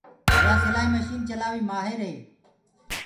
يآ سِلآئي مشن چلآوآ ڪيٚ مآهر هي۔